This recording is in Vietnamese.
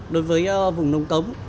đối với vùng nông cống